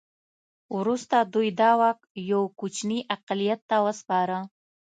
وروسته دوی دا واک یو کوچني اقلیت ته وسپاره.